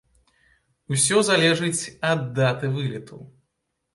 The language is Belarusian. Усё залежыць, ад даты вылету.